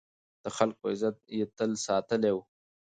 د خلکو عزت يې تل ساتلی و.